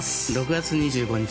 ６月２５日